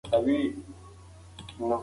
که انټرنیټ ارزانه وي نو ټول ترې ګټه اخلي.